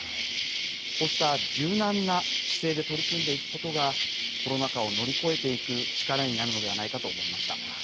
こうした柔軟な姿勢で取り組んでいくことが、コロナ禍を乗り越えていく力になるのではないかと思いました。